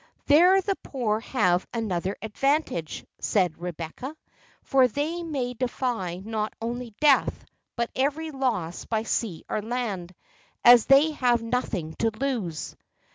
"There the poor have another advantage," said Rebecca; "for they may defy not only death, but every loss by sea or land, as they have nothing to lose."